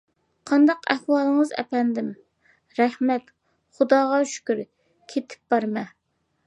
-قانداق ئەھۋالىڭىز، ئەپەندىم؟ -رەھمەت، خۇداغا شۈكرى، كېتىپ بارىمەن.